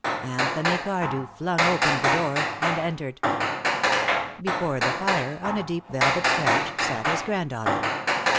Anthony Cardew flung open the door and entered. Before the fire, on a deep velvet couch, sat his granddaughter.